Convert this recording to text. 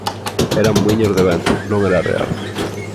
Eran muíños de vento, non era real.